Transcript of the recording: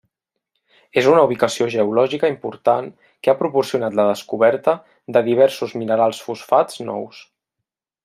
És una ubicació geològica important que ha proporcionat la descoberta de diversos minerals fosfats nous.